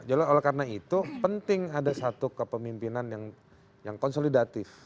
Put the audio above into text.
jadi oleh karena itu penting ada satu kepemimpinan yang konsolidatif